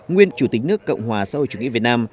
nguyên chủ tịch nước cộng hòa xã hội chủ nghĩa việt nam